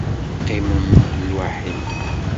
Qqimem lwaḥid.